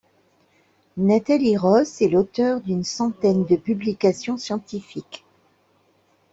Nathalie Ros est l’auteur d’une centaine de publications scientifiques.